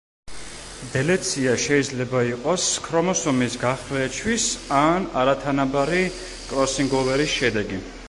დელეცია შეიძლება იყოს ქრომოსომის გახლეჩვის ან არათანაბარი კროსინგოვერის შედეგი.